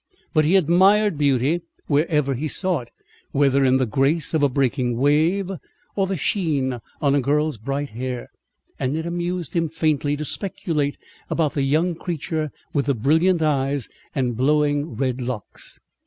But he admired beauty wherever he saw it, whether in the grace of a breaking wave, or the sheen on a girl's bright hair, and it amused him faintly to speculate about the young creature with the brilliant eyes and blowing red locks.